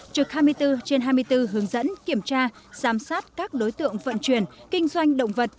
trực hai mươi bốn trên hai mươi bốn hướng dẫn kiểm tra giám sát các đối tượng vận chuyển kinh doanh động vật